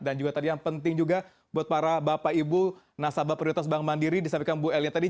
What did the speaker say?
dan juga tadi yang penting juga buat para bapak ibu nasabah prioritas bank mandiri disampaikan bu elina tadi